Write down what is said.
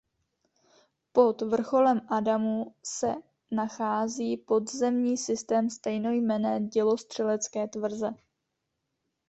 Pod vrcholem Adamu se nachází podzemní systém stejnojmenné dělostřelecké tvrze.